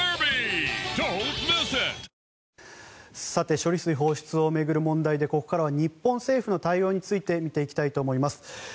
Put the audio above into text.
処理水放出を巡る問題でここからは日本政府の対応について見ていきたいと思います。